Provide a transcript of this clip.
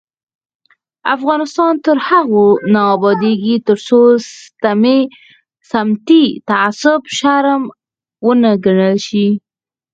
افغانستان تر هغو نه ابادیږي، ترڅو سمتي تعصب شرم ونه ګڼل شي.